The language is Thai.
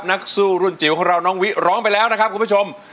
นักสู้รุ่นจิ๋วของเราน้องวิร้องไปแล้วนะครับคุณผู้ชม